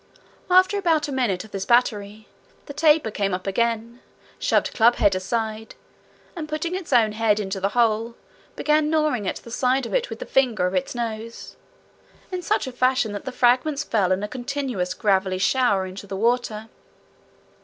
After about a minute of this battery, the tapir came up again, shoved Clubhead aside, and putting its own head into the hole began gnawing at the sides of it with the finger of its nose, in such a fashion that the fragments fell in a continuous gravelly shower into the water.